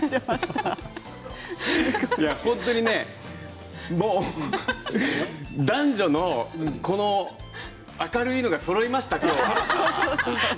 本当に男女のこの明るいのがそろいました今日は。